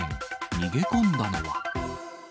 逃げ込んだのは？